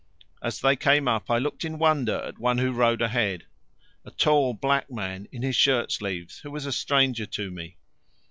As they came up I looked in wonder at one who rode ahead, a tall black man in his shirt sleeves who was a stranger to me.